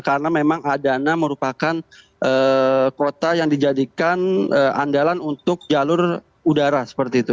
karena memang adana merupakan kota yang dijadikan andalan untuk jalur udara seperti itu